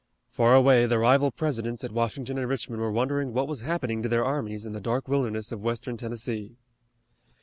Far away the rival Presidents at Washington and Richmond were wondering what was happening to their armies in the dark wilderness of Western Tennessee.